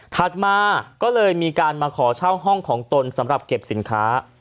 มาก็เลยมีการมาขอเช่าห้องของตนสำหรับเก็บสินค้า